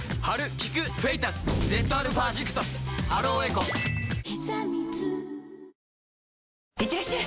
［この後］いってらっしゃい！